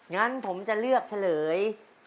งั้นผมจะเลือกเฉลย